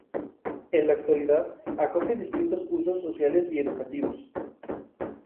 En la actualidad acoge distintos usos sociales y educativos.